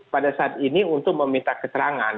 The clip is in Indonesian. pada saat ini untuk meminta keterangan